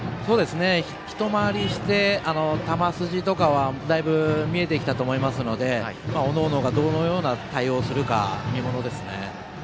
一回りして球筋とかはだいぶ見えてきたと思いますのでおのおのどのような対応をするか見ものですね。